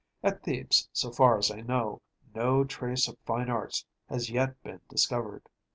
At Thebes, so far as I know, no trace of fine arts has yet been discovered.